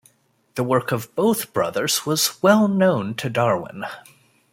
The work of both brothers was well known to Darwin.